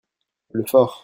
le fort.